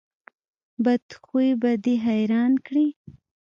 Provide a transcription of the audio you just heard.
بد خوی به دې حیران کړي.